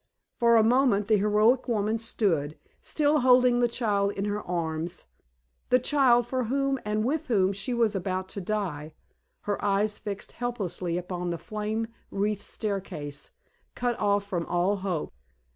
For a moment the heroic woman stood, still holding the child in her arms the child for whom and with whom she was about to die her eyes fixed helplessly upon the flame wreathed staircase, cut off from all hope.